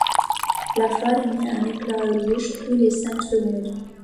Le phare émet un éclat rouge toutes les cinq secondes.